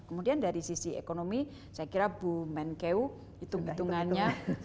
kemudian dari sisi ekonomi saya kira bu menkeu itu hitungannya